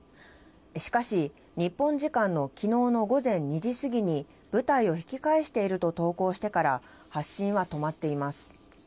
しかし、日本時間のきのうの午前２時過ぎに、部隊を引き返していると投稿してから、発信は止まっています。